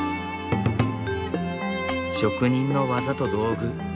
職人の技と道具